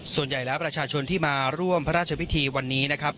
ส่วนใหญ่แล้วประชาชนที่มาร่วมพระราชพิธีวันนี้นะครับ